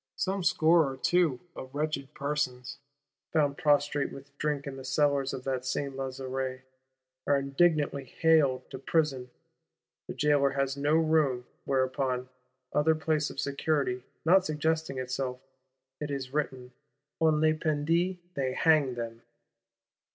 "Some score or two" of wretched persons, found prostrate with drink in the cellars of that Saint Lazare, are indignantly haled to prison; the Jailor has no room; whereupon, other place of security not suggesting itself, it is written, "on les pendit, they hanged them."